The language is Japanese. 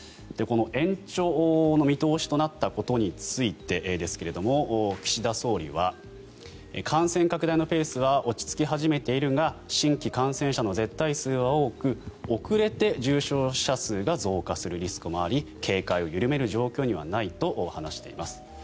延長の見通しとなったことについてですが岸田総理は感染拡大のペースは落ち着き始めているが新規感染者の絶対数は多く遅れて重症者数が増加するリスクもあり警戒を緩める状況にはないと話しています。